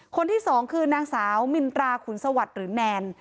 คนที่สองคือนางสาวมินตราขุนสวัสดิ์หรือแนน